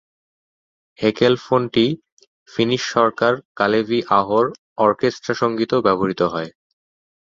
হেকেলফোনটি Finnish সুরকার Kalevi আহোর orchestra সঙ্গীতেও ব্যবহৃত হয়।